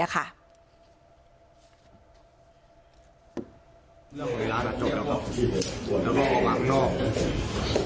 แล้วเวลาถัดจบแล้วก็แล้วก็ออกหลังนอก